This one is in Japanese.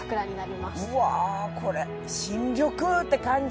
うわこれ新緑って感じ。